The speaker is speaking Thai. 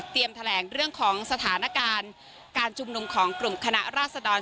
แถลงเรื่องของสถานการณ์การชุมนุมของกลุ่มคณะราษดร